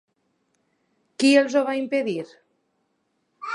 Qui els ho va impedir?